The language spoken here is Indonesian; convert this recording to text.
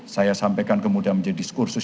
saya sampaikan kemudian menjadi diskursus